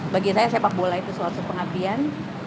bagi saya sepak bola itu suatu pengabdian